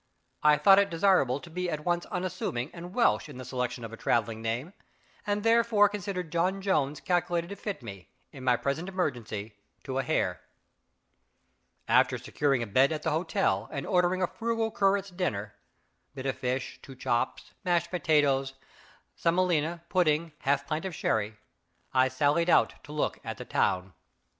I thought it desirable to be at once unassuming and Welsh in the selection of a traveling name; and therefore considered John Jones calculated to fit me, in my present emergency, to a hair. After securing a bed at the hotel, and ordering a frugal curate's dinner (bit of fish, two chops, mashed potatoes, semolina pudding, half pint of sherry), I sallied out to look at the town.